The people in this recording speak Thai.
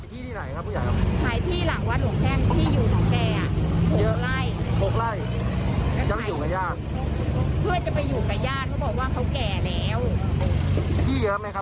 ที่ไหนครับคุณยายครับ